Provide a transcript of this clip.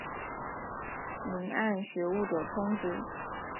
遴谙学务者充之。